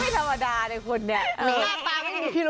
ไม่ธรรมดาเนี่ยคุณเนี่ย